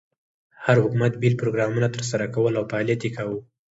هر حکومت بېل پروګرامونه تر سره کول او فعالیت یې کاوه.